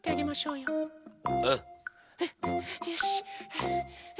よし。